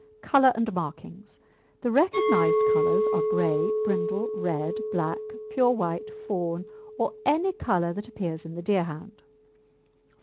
COLOUR AND MARKINGS The recognised colours are grey, brindle, red, black, pure white, fawn, or any colour that appears in the Deerhound.